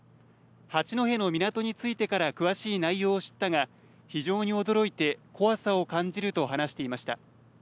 八戸の港についてから詳しい内容を知ったが非常に驚いて怖さを感じると話していました。